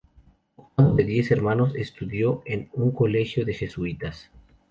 Octavo de diez hermanos, estudió en un colegio de Jesuitas.